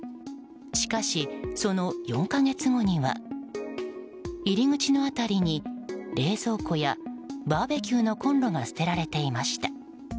しかし、その４か月後には入り口の辺りに冷蔵庫やバーベキューのコンロが捨てられていました。